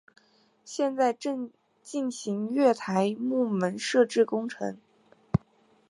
现在正进行月台幕门设置工程。